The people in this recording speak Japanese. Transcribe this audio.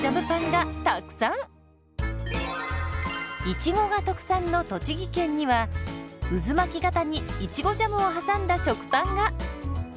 いちごが特産の栃木県には渦巻き型にいちごジャムを挟んだ食パンが！